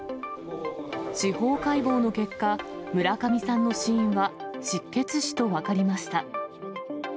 司法解剖の結果、村上さんの死因は、失血死と分かりました。